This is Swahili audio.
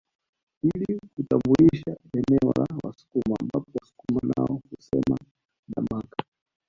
Ili kutambulisha eneo la Wasukuma ambapo Wasukuma nao husema dakama